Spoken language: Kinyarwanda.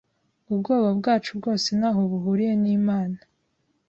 Ubwoba bwacu bwose ntaho buhuriye nimana